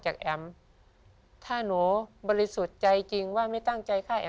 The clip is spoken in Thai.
จริง